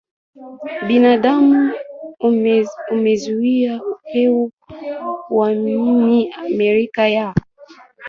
binadamu umezuia upeo wao nchini Amerika ya